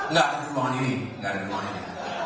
nggak ada perubahan ini nggak ada perubahan ini